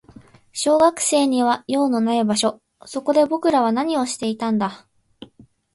小学生には用のない場所。そこで僕らは何をしていたんだ。